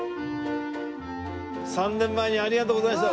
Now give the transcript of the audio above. ３年前にありがとうございました。